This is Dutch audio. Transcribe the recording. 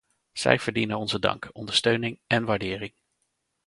Zij verdienen onze dank, ondersteuning en waardering!